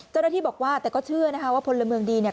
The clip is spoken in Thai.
เจ้าหน้าที่บอกว่าแต่ก็เชื่อนะคะว่าพลเมืองดีเนี่ย